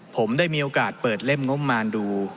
ผมได้มีโอกาสเปิดเล่มงบมารดู